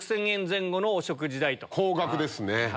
高額ですね。